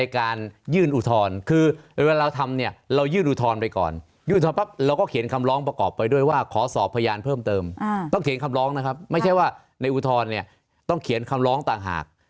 การเขียนคำร้องประกอบไปด้วยว่าขอสอบพยานเพิ่มเติมต้องเขียนคำร้องนะครับไม่ใช่ว่าในอุทธรณ์เนี่ยต้องเขียนคำร้องต่างหาก